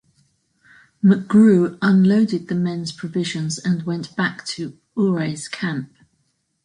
McGrue unloaded the men's provisions and went back to Ouray's camp.